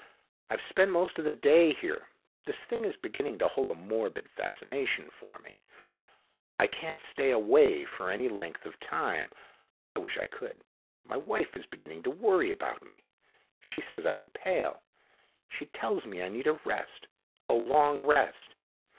I've spent most of the day here. This thing is beginning to hold a morbid fascination for me. I can't stay away for any length of time. I wish I could. My wife is beginning to worry about me. She says I look pale. She tells me I need a rest a long rest.